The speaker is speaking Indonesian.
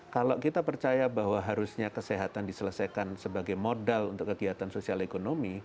kalau kita percaya bahwa harusnya kesehatan diselesaikan sebagai modal untuk kegiatan sosial ekonomi